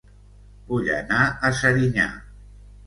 Vull anar a Serinyà